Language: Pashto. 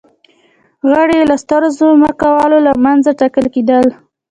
غړي یې له سترو ځمکوالو له منځه ټاکل کېدل